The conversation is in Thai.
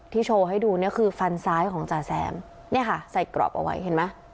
โชว์ให้ดูเนี่ยคือฟันซ้ายของจ่าแสมเนี่ยค่ะใส่กรอบเอาไว้เห็นไหม